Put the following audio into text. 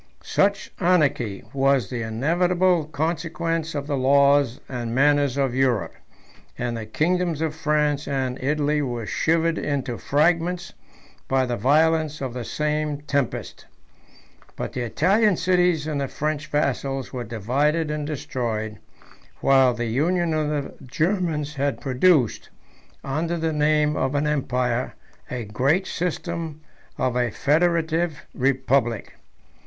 Such anarchy was the inevitable consequence of the laws and manners of Europe; and the kingdoms of France and Italy were shivered into fragments by the violence of the same tempest. But the Italian cities and the French vassals were divided and destroyed, while the union of the Germans has produced, under the name of an empire, a great system of a federative republic.